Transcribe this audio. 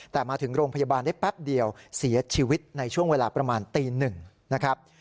แต่มาถึงโรงพยาบาลได้แป๊บเดียวเสียชีวิตในช่วงเวลาประมาณตีหนึ่งนะครับ